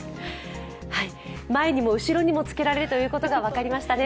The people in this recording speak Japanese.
前にも後ろにもつけられることが分かりましたね。